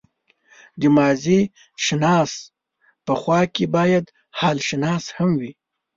د ماضيشناس په خوا کې بايد حالشناس هم وي.